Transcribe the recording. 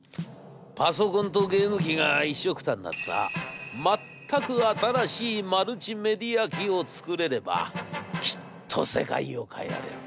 『パソコンとゲーム機がいっしょくたになった全く新しいマルチメディア機を作れればきっと世界を変えられる。